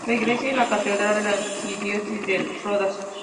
La iglesia es la catedral de la Arquidiócesis de Rodas.